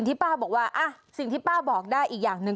แต่สิ่งที่ป้าบอกได้อีกอย่างหนึ่ง